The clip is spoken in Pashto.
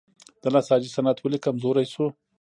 د نساجي صنعت ولې کمزوری شو؟